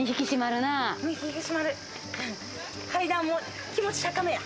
階段も気持ち、高めや。